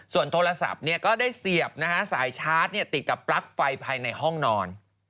ส่วนโทรศัพท์ก็ได้เสียบสายชาร์จติดกับปลั๊กไฟภายในห้องนอน